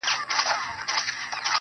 ژوند مي هيڅ نه دى ژوند څه كـړم.